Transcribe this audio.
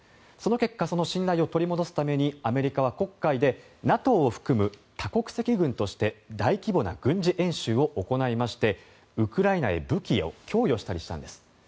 その結果その信頼を取り戻すためにアメリカは黒海でＮＡＴＯを含む多国籍軍として大規模な軍事演習を行いましてウクライナへ武器を供与したりしたんです。